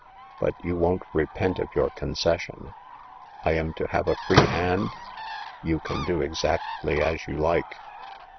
But you won't repent of your concession. I am to have a free hand ?"You can do exactly as you like."